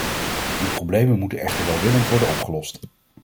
Die problemen moeten echter welwillend worden opgelost.